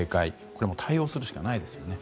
これは対応するしかないですよね。